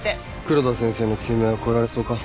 黒田先生の救命は超えられそうか？